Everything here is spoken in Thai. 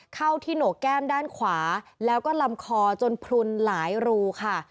เข้าที่โหนกแก้มด้านขวาแล้วก็ลำคอจนพลุนหลายรูค่ะ